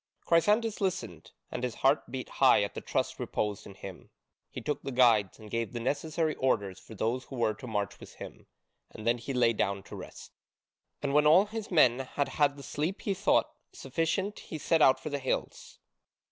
Chrysantas listened, and his heart beat high at the trust reposed in him. He took the guides, and gave the necessary orders for those who were to march with him, and then he lay down to rest. And when all his men had had the sleep he thought sufficient he set out for the hills.